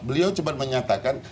beliau cuma menyatakan